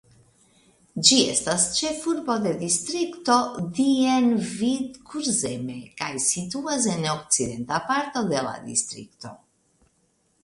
Ĝi estas ĉefurbo de distrikto Dienvidkurzeme kaj situas en okcidenta parto de la distrikto.